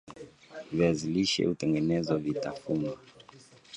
viazi lishe hutengeneza vitafunwa